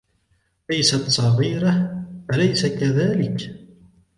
ليست صغيرة ، أليس كذلك ؟